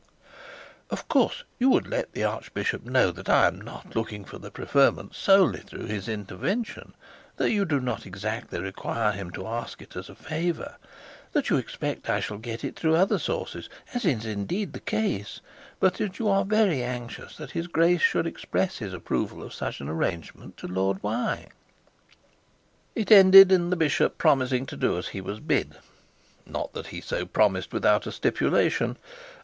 Of course you would let the archbishop know that I am not looking for the preferment solely through his intervention; that you do not exactly require him to ask it as a favour; that you expect I shall get it through other sources, as is indeed the case; but that you are very anxious that his grace should express his approval of such an arrangement to Lord ' It ended by the bishop promising to do as he was told. Not that he so promised without a stipulation.